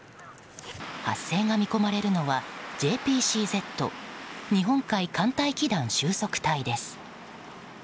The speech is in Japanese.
発生が見込まれるのはＪＰＣＺ・日本海寒帯気団収束帯です。